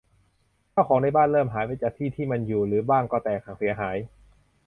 ข้าวของในบ้านเริ่มหายไปจากที่ที่มันอยู่ หรือบ้างก็แตกหักเสียหาย